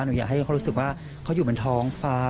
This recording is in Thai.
หนูอยากให้เขารู้สึกว่าเขาอยู่บนท้องฟ้า